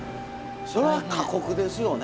そら過酷ですよね。